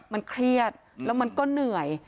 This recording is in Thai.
มันเครียดแล้วมันก็เหนื่อย